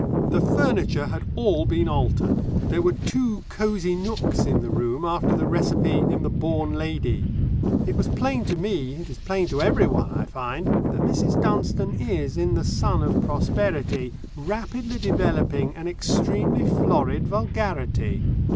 The furniture had all been altered there were two "cosy nooks" in the room after the recipe in the Born Lady. It was plain to me, it is plain to everyone, I find, that Mrs. Dunstone is, in the sun of prosperity, rapidly developing an extremely florid vulgarity.